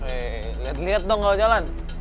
weh liat liat dong kalo jalan